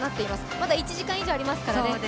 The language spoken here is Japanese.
まだ１時間以上ありますからね。